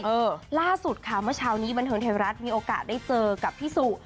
เมื่อเช้านี้บรรเทิงไทยรัฐมีโอกาสได้เจอกับพี่สุ